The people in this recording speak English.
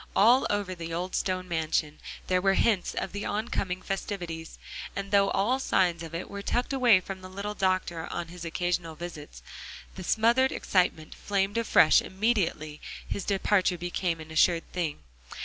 All over the old stone mansion there were hints of the on coming festivities; and though all signs of it were tucked away from the little doctor on his occasional visits, the smothered excitement flamed afresh immediately his departure became an assured thing.